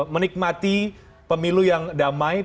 menikmati pemilu yang damai